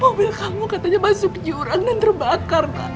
mobil kamu katanya masuk jurang dan terbakar kan